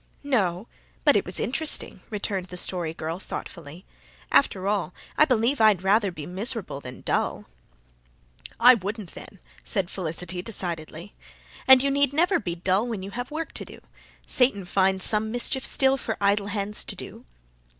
"No, but it was interesting," returned the Story Girl thoughtfully. "After all, I believe I'd rather be miserable than dull." "I wouldn't then," said Felicity decidedly. "And you need never be dull when you have work to do. 'Satan finds some mischief still for idle hands to do!